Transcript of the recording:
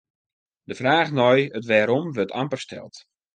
De fraach nei it wêrom wurdt amper steld.